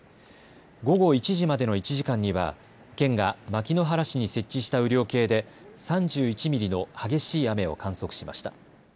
午後１時までの１時間には県が牧之原市に設置した雨量計で３１ミリの激しい雨を観測しました。